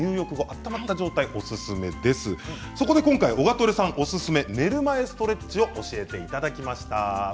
今回、オガトレさんおすすめの寝る前ストレッチを教えていただきました。